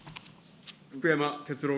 福山哲郎